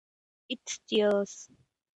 It tears.